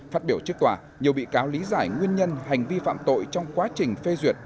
phát biểu trước tòa nhiều bị cáo lý giải nguyên nhân hành vi phạm tội trong quá trình phê duyệt